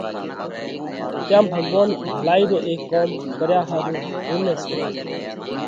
تيام ڀڳوونَ ڀلائِي رو اي ڪوم ڪريا ۿارُو مُون نئہ سُونڍيوھ۔